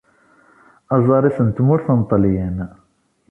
Aẓar-is n tmurt n Ṭelyan.